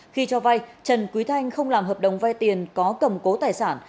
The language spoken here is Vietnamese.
khi cho vay trần quý thanh không làm hợp đồng vay tiền có cầm cố tài sản